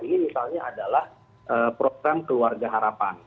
ini misalnya adalah program keluarga harapan